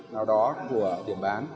sau đó vừa tiệm bán